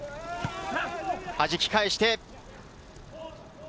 はじき返して。